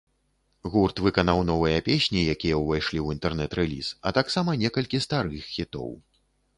Гурт выканаў новыя песні, якія ўвайшлі ў інтэрнэт-рэліз, а таксама некалькі старых хітоў.